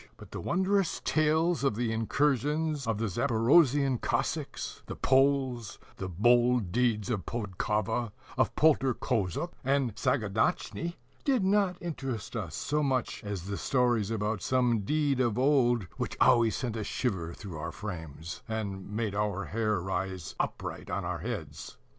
But the wondrous tales of the incursions of the Zaporozhian Cossacks, the Poles, the bold deeds of Podkova, of Poltor Kozhukh, and Sagaidatchnii, did not interest us so much as the stories about some deed of old which always sent a shiver through our frames, and made our hair rise upright on our heads.